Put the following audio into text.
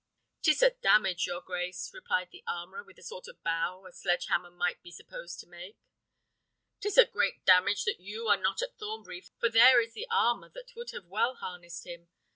"'Tis a damage, your grace," replied the armourer, with the sort of bow a sledge hammer might be supposed to make. "'Tis a great damage that you are not at Thornbury, for there is the armour that would have well harnessed him.